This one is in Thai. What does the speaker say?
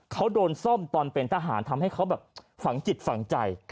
เขาโดนซ่อมตอนเป็นทหารทำให้เขาแบบฝังจิตฝังใจ